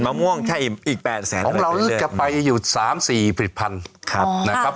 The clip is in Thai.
มะม่วงใช่อีกแปดแสนของเราจะไปอยู่สามสี่ผลิตภัณฑ์ครับนะครับ